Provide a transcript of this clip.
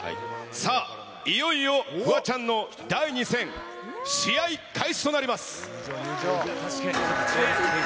さあ、いよいよフワちゃんの第２戦、試合開始となります。